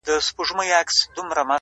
چي پر مځکه به را ولوېږې له پاسه -